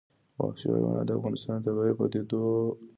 وحشي حیوانات د افغانستان د طبیعي پدیدو یو رنګ دی.